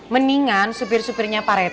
mendingan supir supirnya pak rt